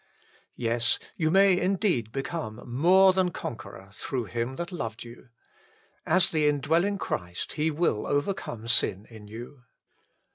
Yes : you may indeed become " more than conqueror" through Him that loved you. 1 As the indwelling Christ, He will overcome sin in you.